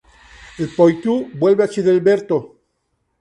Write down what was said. El Poitou vuelve a Childeberto.